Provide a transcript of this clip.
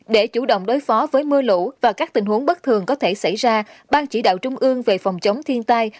để chủ động đối phó với mưa lũ và các tình huống bất thường có thể xảy ra ban chỉ đạo trung ương về phòng chống thiên tai